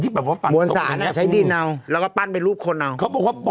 บางคนบอกว่า